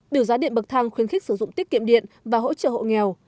biểu giá điện bậc thang khuyến khích sử dụng tiết kiệm điện và hỗ trợ hộ nghèo